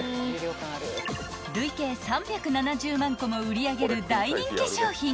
［累計３７０万個も売り上げる大人気商品］